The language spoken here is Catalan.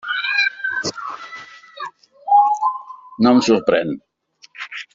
No em sorprèn.